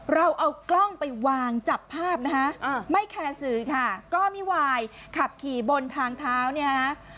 เราเอากล้องไปวางจับภาพนะคะไม่แคร์สื่อค่ะก็ไม่วายขับขี่บนทางเท้าเนี่ยฮะ